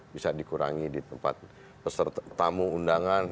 bisa dikurangi di tempat tamu undangan